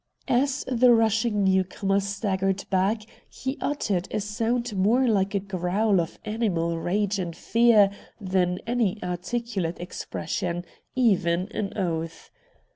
As the rushing new comer staggered back he uttered a sound more like a growl of animal rage and fear than any articulate expression, even an oath.